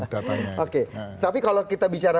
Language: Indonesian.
katanya oke tapi kalau kita bicara